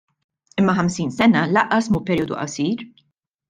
Imma ħamsin sena lanqas mhu perjodu qasir.